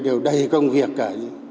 đều đầy công việc cả